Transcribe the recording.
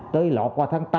tới lọt qua tháng tám